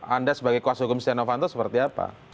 anda sebagai kuasa hukum sidenovanto seperti apa